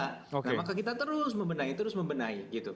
nah maka kita terus membenahi terus membenahi